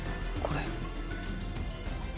これ。